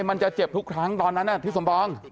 มันจะเจ็บทุกครั้งตอนนั้นที่สมปอง